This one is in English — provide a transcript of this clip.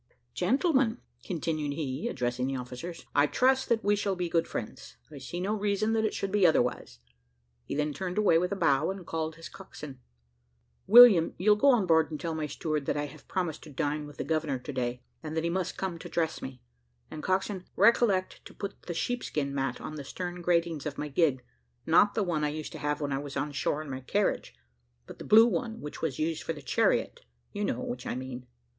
Gentlemen," continued he, addressing the officers, "I trust that we shall be good friends; and I see no reason that it should be otherwise." He then turned away with a bow, and called his coxswain "William, you'll go on board and tell my steward that I have promised to dine with the governor to day, and that he must come to dress me; and, coxswain, recollect to put the sheepskin mat on the stern gratings of my gig not the one I used to have when I was on shore in my carriage, but the blue one which was used for the chariot you know which I mean."